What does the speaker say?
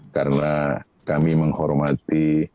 karena kami menghormati